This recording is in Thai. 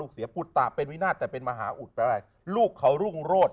ลูกเสียปุฏตะเป็นวินาทแต่เป็นมหาอุดแปลว่าลูกเขารุ่งโรษ